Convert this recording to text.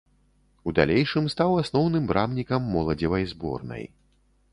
У далейшым стаў асноўным брамнікам моладзевай зборнай.